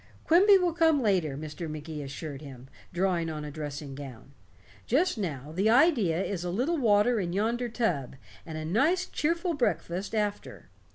"Quimby will come later," Mr. Magee assured him, drawing on a dressing gown. "Just now the idea is a little water in yonder tub, and a nice cheerful breakfast after.